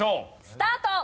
スタート！